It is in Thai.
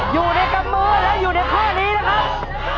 อยู่ในกำมือและอยู่ในข้อนี้นะครับ